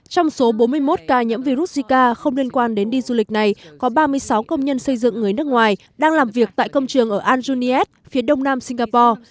trong số bốn mươi một ca nhiễm virus zika không liên quan đến đi du lịch này có ba mươi sáu công nhân xây dựng người nước ngoài đang làm việc tại công trường ở anjuniet phía đông nam singapore